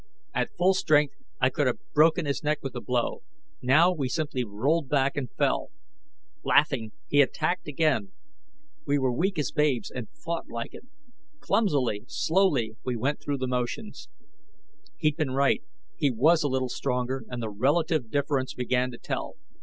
At full strength, I could have broken his neck with the blow. Now, he simply rolled back and fell. Laughing, he attacked again. We were weak as babes, and fought like it. Clumsily, slowly, we went through the motions. He'd been right he was a little stronger, and the relative difference began to tell.